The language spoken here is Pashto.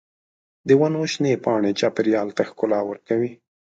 د ونو شنې پاڼې چاپېریال ته ښکلا ورکوي.